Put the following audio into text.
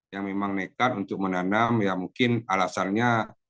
yang memang nekat untuk menanam ya mungkin alasannya